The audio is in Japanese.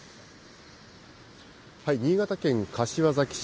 新潟県柏崎市。